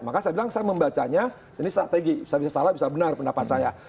maka saya bilang saya membacanya ini strategi saya bisa salah bisa benar pendapat saya